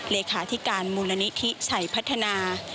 เลขาธิการมูลนิธิชัยพัฒนา